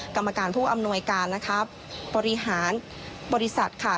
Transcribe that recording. กรรมการผู้อำนวยการนะครับบริหารบริษัทค่ะ